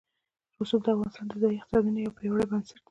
رسوب د افغانستان د ځایي اقتصادونو یو پیاوړی بنسټ دی.